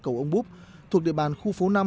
cầu ông búc thuộc địa bàn khu phố năm